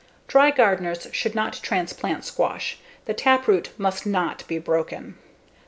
Dry gardeners should not transplant squash; the taproot must not be broken.